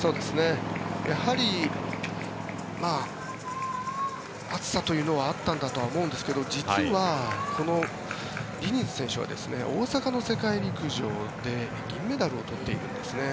やはり暑さというのはあったんだと思うんですが実はこのディニズ選手は大阪の世界陸上で銀メダルを取っているんですね。